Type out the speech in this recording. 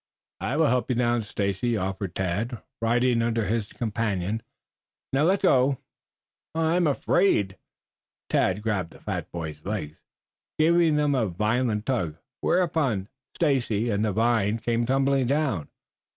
"I will help you down, Stacy," offered Tad, riding under his companion. "Now, let go." "I I'm afraid." Tad grabbed the fat boy's legs, giving them a violent tug, whereupon Stacy and the vine came tumbling down.